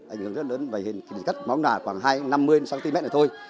ảnh hưởng rất lớn về hình kỳ kết mõng đà khoảng hai trăm năm mươi cm này thôi